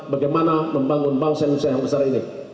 bagaimana membangun bangsa indonesia yang besar ini